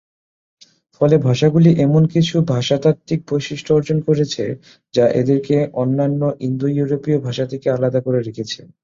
ফলে ভাষাগুলি এমন কিছু ভাষাতাত্ত্বিক বৈশিষ্ট্য অর্জন করেছে, যা এদেরকে অন্যান্য ইন্দো-ইউরোপীয় ভাষা থেকে আলাদা করে রেখেছে।